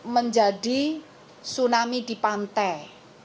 menjadi tsunami di pantai